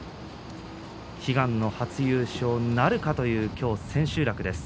悲願の初優勝なるかという今日、千秋楽です。